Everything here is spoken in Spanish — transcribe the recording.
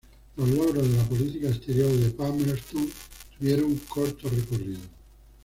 Los logros de la política exterior de Palmerston tuvieron corto recorrido.